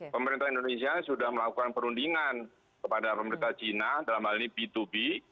pemerintah indonesia sudah melakukan perundingan kepada pemerintah china dalam hal ini b dua b